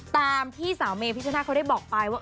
ตามที่สาวเมพิชนาธิเขาได้บอกไปว่า